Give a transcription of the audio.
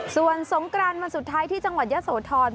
ส่วนสงกรานวันสุดท้ายที่จังหวัดยะโสธร